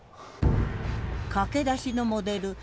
駆け出しのモデル橋本